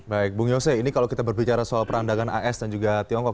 baik bung yose ini kalau kita berbicara soal perang dagang as dan juga tiongkok